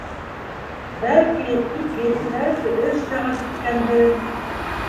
Бәлки, ике, бәлки, өс сәғәт үткәндер.